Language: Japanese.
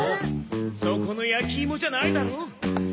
「そこの焼き芋じゃないだろう？」